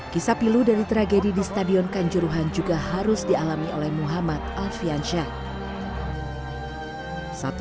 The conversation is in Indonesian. kisah pilu dari tragedi di stadion kanjuruhan juga harus dialami oleh muhammad alfiansyah